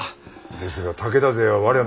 ですが武田勢は我らの３倍。